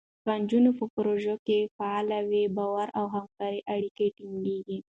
که نجونې په پروژو کې فعاله وي، باور او همکارۍ اړیکې ټینګېږي.